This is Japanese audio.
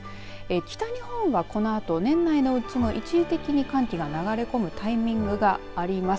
北日本はこのあと年内のうち、一時的に寒気が流れ込むタイミングがあります。